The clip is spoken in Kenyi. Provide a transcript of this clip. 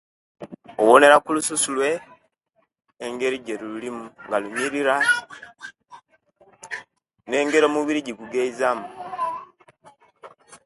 Tubonela okulusisu lwe ngeri egyelulimu nga lunyilira ne ngeri omubiri gye gugaizamu